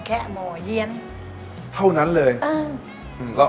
แล้วต้องตายก่อนเรา